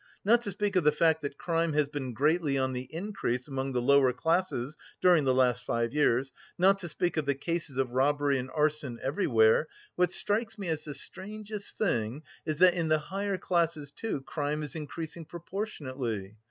Not to speak of the fact that crime has been greatly on the increase among the lower classes during the last five years, not to speak of the cases of robbery and arson everywhere, what strikes me as the strangest thing is that in the higher classes, too, crime is increasing proportionately.